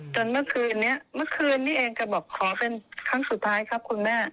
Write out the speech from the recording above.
เมื่อคืนนี้เมื่อคืนนี้เองแกบอกขอเป็นครั้งสุดท้ายครับคุณแม่